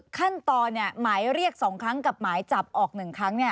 ขั้นตอนให้มายเรียกสองครั้งกับมายจับออกหนึ่งครั้ง